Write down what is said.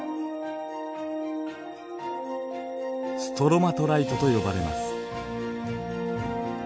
ストロマトライトと呼ばれます。